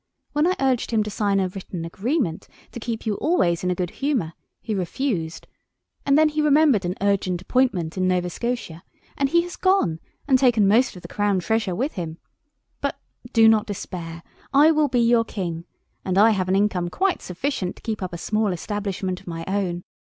When I urged him to sign a written agreement to keep you always in a good humour he refused, and then he remembered an urgent appointment in Nova Scotia; and he has gone, and taken most of the crown treasure with him. But, do not despair, I will be your King, and I have an income quite sufficient to keep up a small establishment of my own.